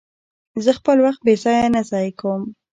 زه خپل وخت بې ځایه نه ضایع کوم.